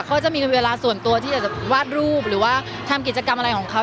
เขาจะมีเวลาส่วนตัวที่อยากจะวาดรูปหรือว่าทำกิจกรรมอะไรของเขา